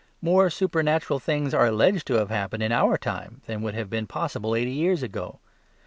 More supernatural things are ALLEGED to have happened in our time than would have been possible eighty years ago.